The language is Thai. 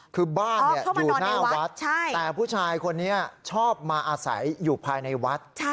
คือบ้านอยู่หน้าวัดแต่ผู้ชายคนนี้ชอบมาอาศัยอยู่ภายในวัด